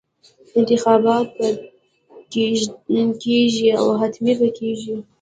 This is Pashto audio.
انتخابات به کېږي او حتمي به کېږي.